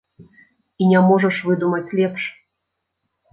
І не можа выдумаць лепш.